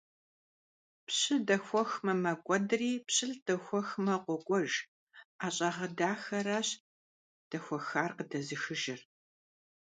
Пщы дэхуэхмэ, мэкӀуэдри, пщылӀ дэхуэхмэ, къокӀуэж: ӀэщӀагъэ дахэращ дэхуэхар къыдэзыхыжыр!